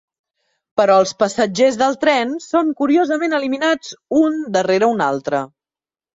Però els passatgers del tren són curiosament eliminats un darrere un altre.